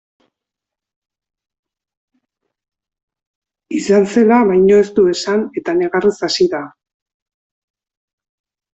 Izan zela baino ez du esan eta negarrez hasi da.